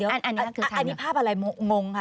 อันนี้ภาพอะไรงงค่ะ